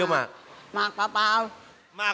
มากเปล่า